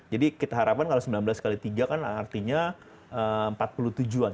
jadi kita harapkan kalau sembilan belas kali tiga kan artinya empat puluh tujuh an